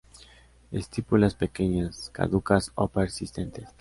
Estípulas pequeñas, caducas o persistentes.